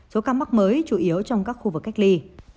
số ca mắc mới chủ yếu trong các khu vực cách ly